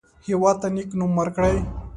هېواد ته نیک نوم ورکړئ